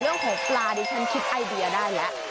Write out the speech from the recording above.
เรื่องของปลาดิฉันคิดไอเดียได้แล้ว